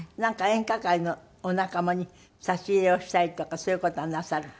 演歌界のお仲間に差し入れをしたりとかそういう事はなさる？